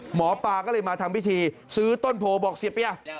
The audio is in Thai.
หมอปลาก็เลยมาทำพิธีซื้อต้นโพบอกเสียเปีย